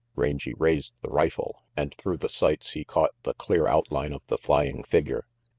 Rangy raised the rifle, and through the sights he caught the clear outline of the flying figure.